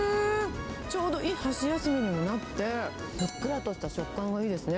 ちょうどいい箸休めにもなって、ふっくらとした食感がいいですね。